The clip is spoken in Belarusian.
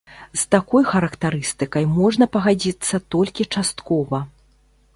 З такой характарыстыкай можна пагадзіцца толькі часткова.